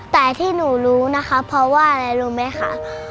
แต่ที่หนูรู้นะคะเพราะว่าอะไรรู้ไหมคะ